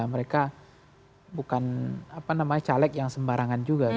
mereka bukan caleg yang sembarangan juga